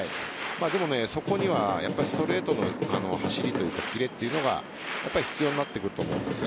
でも、そこにはストレートの走りというかキレというのが必要になってくると思うんです。